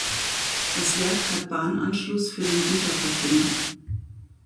Das Werk hat Bahnanschluss für den Güterverkehr.